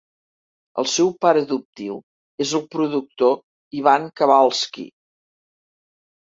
El seu pare adoptiu és el productor Ivan Kavalsky.